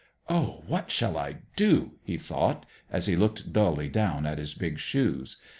"Oh, what shall I do?" he thought, as he looked dully down at his big shoes.